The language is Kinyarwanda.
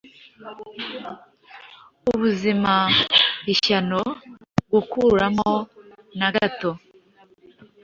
Ubuzima-ishyano gukuramo na gato